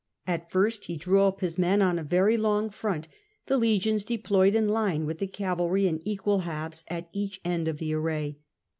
At first he drew up his men on a very long front, the legions deployed in line, with the cavalry in equal halves at each end of the array.